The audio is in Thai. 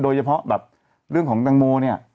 โดยเฉพาะแบบเรื่องของดังโมเนี่ย